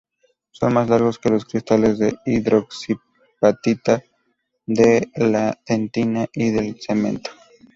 Son más largos que los cristales de hidroxiapatita de la dentina y del cemento.